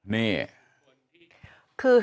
นี่คือ